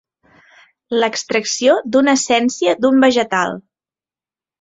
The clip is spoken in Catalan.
L'extracció d'una essència d'un vegetal.